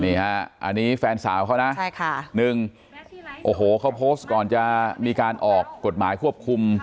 นี่ฮะอันนี้แฟนสาวเขานะใช่ค่ะหนึ่งโอ้โหเขาโพสต์ก่อนจะมีการออกกฎหมายควบคุม